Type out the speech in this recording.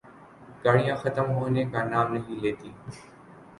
گاڑیاں ختم ہونے کا نام نہیں لیتیں۔